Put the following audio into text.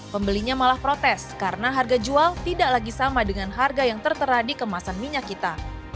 pembelinya malah protes karena harga jual tidak lagi sama dengan harga yang tertera di kemasan minyak kita